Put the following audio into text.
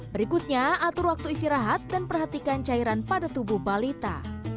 berikutnya atur waktu istirahat dan perhatikan cairan pada tubuh balita